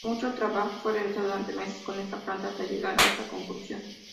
Mucho trabajo fue realizado durante meses con esta planta hasta llegar a esta conclusión.